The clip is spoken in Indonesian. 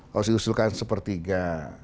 harus diusulkan sepertiga